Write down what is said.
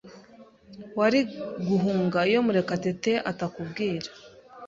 Wari guhunga iyo Murekatete atakubwira.